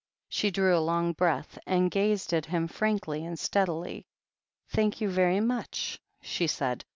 She drew a long breath, and gazed at him frankly and steadily. "Thank you very much," she said.